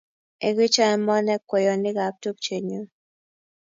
ikichon eng' morne kweyonikab tupchenyu